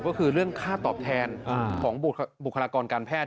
ก็คือเรื่องค่าตอบแทนของบุคลากรการแพทย์